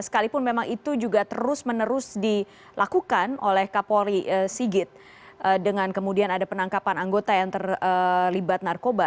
sekalipun memang itu juga terus menerus dilakukan oleh kapolri sigit dengan kemudian ada penangkapan anggota yang terlibat narkoba